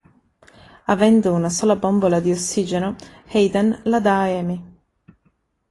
Avendo una sola bombola di ossigeno, Hayden la dà ad Amy.